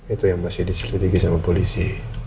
itu yang masih diselidiki sama polisi